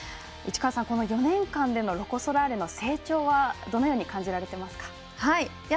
市川さん、この４年間でのロコ・ソラーレの成長はどのように感じられていますか。